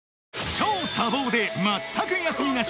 ［超多忙でまったく休みなし